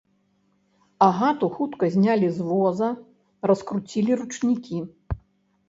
Агату хутка знялі з воза, раскруцілі ручнікі.